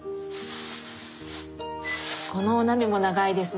このお鍋も長いですね